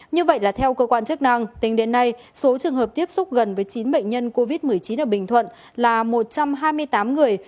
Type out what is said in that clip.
như vậy là theo cơ quan chức năng tính đến nay số trường hợp tiếp xúc gần với chín bệnh nhân covid một mươi chín ở bình thuận là một trăm hai mươi tám người